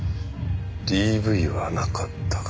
ＤＶはなかったか。